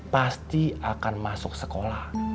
pasti akan masuk sekolah